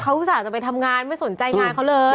อุตส่าห์จะไปทำงานไม่สนใจงานเขาเลย